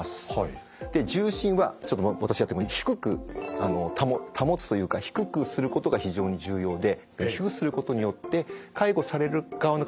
重心は低く保つというか低くすることが非常に重要で低くすることによって介護される側の方のお尻をですね